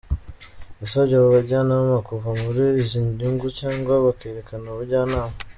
Yasabye abo bajyanama kuva muri izi nyungu cyangwa bakareka ubujyanama.